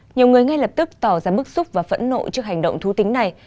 nhiều người ngay lập tức tỏ ra bức xúc và phẫn nộ trước hành động thú tính này